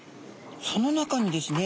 その中にですね